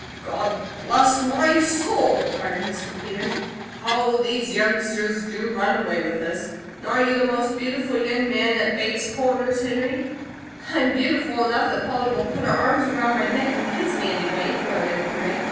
"God bless my soul!" cried Mr. Peters. "How these youngsters to run away with us. And are you the most beautiful young man at Bates Corners, Henry?" "I'm beautiful enough that Polly will put her arms around my neck and kiss me, anyway," blurted Henry.